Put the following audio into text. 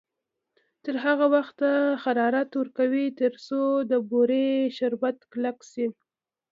تر هغه وخته حرارت ورکړئ تر څو د بورې شربت کلک شي.